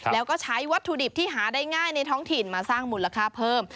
แล้วก็ใช้วัตถุดิบที่หาได้ง่ายในท้องถิ่นมาสร้างมูลค่าเพิ่ม